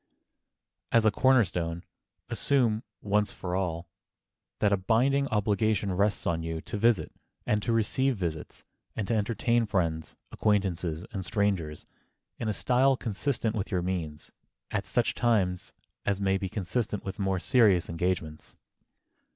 As a corner stone, assume, once for all, that a binding obligation rests on you to visit, and to receive visits, and to entertain friends, acquaintances and strangers in a style consistent with your means, at such times as may be consistent with more serious engagements.